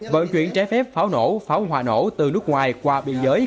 vận chuyển trái phép pháo nổ pháo hòa nổ từ nước ngoài qua biên giới